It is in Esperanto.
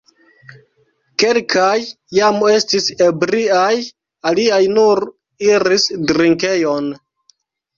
Kelkaj jam estis ebriaj, aliaj nur iris drinkejon.